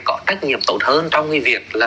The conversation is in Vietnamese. có tác nhiệm tổn hơn trong cái việc